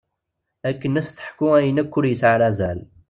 Akken ad s-teḥku ayen akk ur yesɛi ara azal.